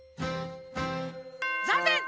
ざんねん！